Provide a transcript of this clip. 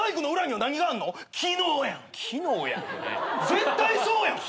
絶対そうやん！